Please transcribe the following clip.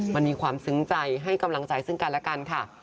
มันมีความซึ้งใจให้กำลังใจซึ่งกันและกันค่ะ